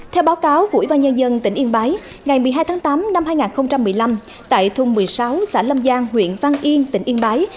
theo báo cáo của ủy ban nhân dân tỉnh yên bái ngày một mươi hai tháng tám năm hai nghìn một mươi năm tại thung một mươi sáu xã lâm giang huyện văn yên tỉnh yên bái